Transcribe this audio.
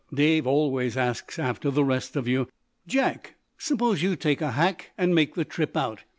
Dave always asks after the rest of you. Jack, suppose you take a hack and make the trip out.